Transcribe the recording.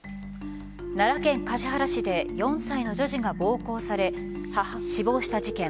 奈良県橿原市で４歳の女児が暴行され死亡した事件。